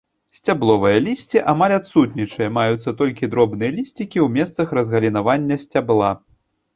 Сцябловае лісце амаль адсутнічае, маюцца толькі дробныя лісцікі ў месцах разгалінавання сцябла.